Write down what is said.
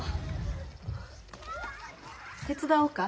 手伝おうか？